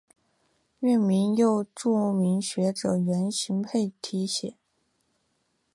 院名又著名学者袁行霈题写。